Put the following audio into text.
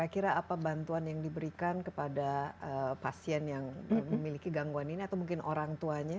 dan kira kira apa bantuan yang diberikan kepada pasien yang memiliki gangguan ini atau mungkin orang tuanya